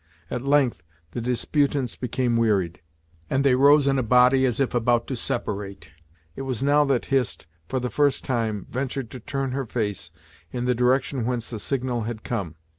At length the disputants became wearied, and they rose in a body as if about to separate. It was now that Hist, for the first time, ventured to turn her face in the direction whence the signal had come.